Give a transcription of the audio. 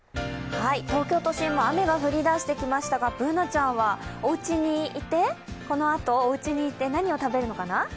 東京都心も雨が降りだしてきましたがＢｏｏｎａちゃんは、このあと、おうちにいて何を食べるのかな？